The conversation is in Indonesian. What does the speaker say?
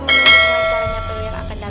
dan menunggu pacarnya